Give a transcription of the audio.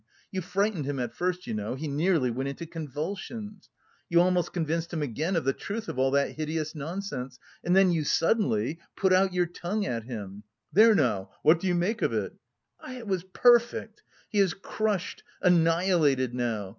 You frightened him at first, you know, he nearly went into convulsions! You almost convinced him again of the truth of all that hideous nonsense, and then you suddenly put out your tongue at him: 'There now, what do you make of it?' It was perfect! He is crushed, annihilated now!